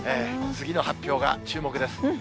次の発表が注目です。